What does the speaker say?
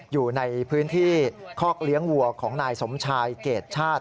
อยู่ในพื้นที่คอกเลี้ยงวัวของนายสมชายเกรดชาติ